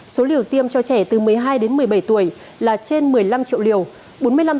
số liều tiêm cho trẻ từ một mươi hai đến một mươi bảy tuổi là trên một mươi năm triệu liều